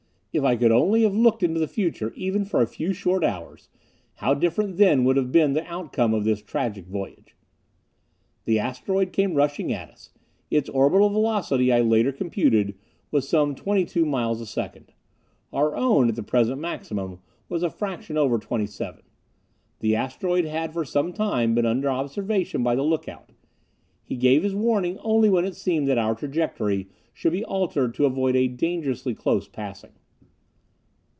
If I could only have looked into the future, even for a few short hours! How different then would have been the outcome of this tragic voyage! The asteroid came rushing at us. Its orbital velocity, I later computed, was some twenty two miles a second. Our own, at the present maximum, was a fraction over seventy seven. The asteroid had for some time been under observation by the lookout. He gave his warning only when it seemed that our trajectory should be altered to avoid a dangerously close passing.